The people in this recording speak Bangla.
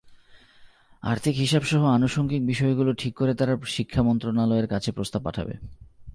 আর্থিক হিসাবসহ আনুষঙ্গিক বিষয়গুলো ঠিক করে তারা শিক্ষা মন্ত্রণালয়ের কাছে প্রস্তাব পাঠাবে।